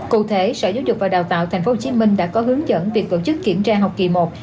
cụ thể sở giáo dục và đào tạo tp hcm đã có hướng dẫn việc tổ chức kiểm tra học kỳ một